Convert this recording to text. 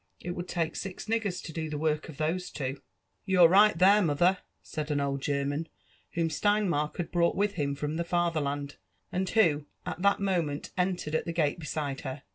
It would take six niggers to do the work of those two." " You're right (here, mother," said an old German whom Stein mark had brought with him from the Fatherland, and who at that mo ment entered at the gate beside her.